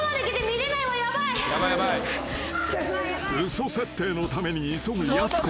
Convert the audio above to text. ［嘘設定のために急ぐやす子。